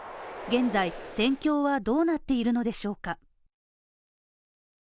現在、戦況はどうなっているのでしょうか。